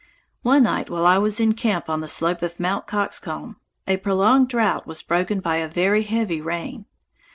One night, while I was in camp on the slope of Mt. Coxcomb, a prolonged drought was broken by a very heavy rain.